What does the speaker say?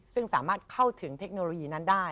ซึ่งสามารถเข้าถึงเทคโนโลยีนั้นได้